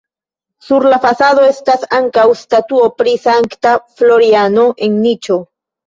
Sur la fasado estas ankaŭ statuo pri Sankta Floriano en niĉo.